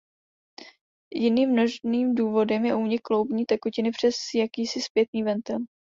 Jiným možným důvodem je únik kloubní tekutiny přes jakýsi zpětný ventil.